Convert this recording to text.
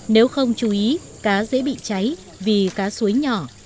nếu không chú ý cá dễ bị cháy vì cá suối nhỏ